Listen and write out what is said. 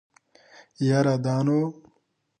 يره دا نو.